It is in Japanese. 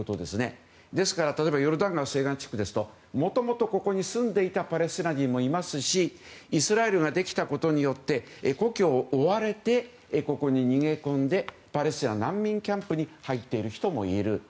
ですから例えばヨルダン川西岸地区ですともともとここに住んでいたパレスチナ人もいますしイスラエルができたことによって故郷を追われてここに逃げ込んでパレスチナ難民キャンプに入っている人もいる。